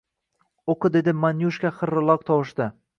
Oʻqi! – dedi Manyushka xirilloq tovushda.